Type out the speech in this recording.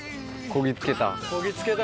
こぎ着けた。